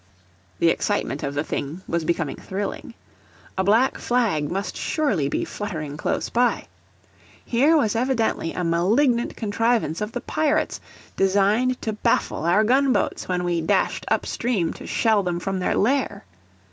The excitement of the thing was becoming thrilling. A Black Flag must surely be fluttering close by. Here was evidently a malignant contrivance of the Pirates, designed to baffle our gun boats when we dashed up stream to shell them from their lair.